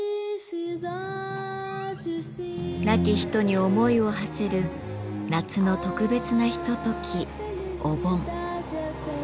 亡き人に思いをはせる夏の特別なひとときお盆。